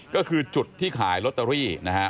ก็คือจุดที่ขายลอตเตอรี่นะฮะ